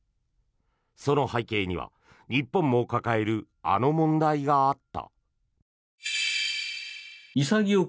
その背景には日本も抱えるあの問題があった。